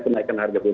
pendaikan harga bbm